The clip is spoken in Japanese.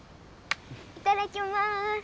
いただきます。